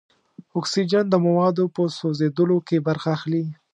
اکسیجن د موادو په سوځیدلو کې برخه اخلي.